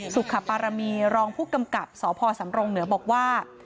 สุขปารมีรองผู้กำกับสพสำรงเหนือบอกว่า